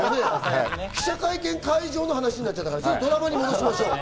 記者会見上の話になっちゃったのでドラマに戻りましょう。